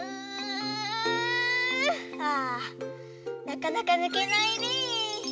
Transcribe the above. なかなかぬけないね。